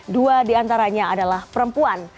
dua diantaranya adalah perempuan